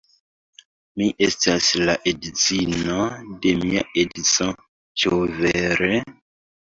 Mi estas la edzino de mia edzo; ĉu vere?